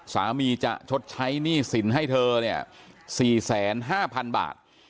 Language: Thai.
สามีจะชดใช้หนี้สินให้เธอเนี่ย๔๕๐๐๐บาท